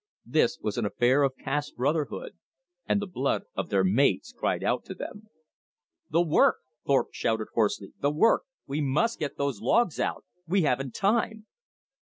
This was an affair of caste brotherhood; and the blood of their mates cried out to them. "The work," Thorpe shouted hoarsely. "The work! We must get those logs out! We haven't time!"